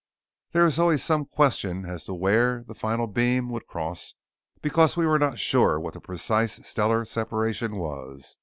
There is always some question as to where the final beam would cross because we were not sure what the precise stellar separation was.